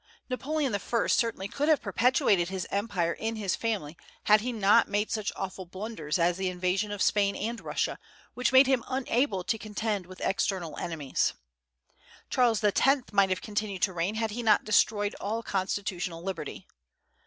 Napoleon I. certainly could have perpetuated his empire in his family had he not made such awful blunders as the invasion of Spain and Russia, which made him unable to contend with external enemies. Charles X. might have continued to reign had he not destroyed all constitutional liberty.